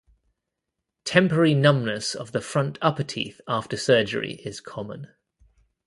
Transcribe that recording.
Temporary numbness of the front upper teeth after surgery is common.